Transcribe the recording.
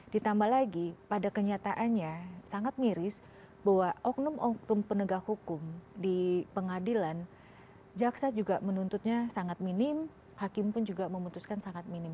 ditambah lagi pada kenyataannya sangat miris bahwa oknum oknum penegak hukum di pengadilan jaksa juga menuntutnya sangat minim hakim pun juga memutuskan sangat minim